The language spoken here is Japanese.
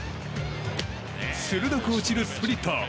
鋭く落ちるスプリット。